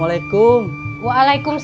terima kasih mak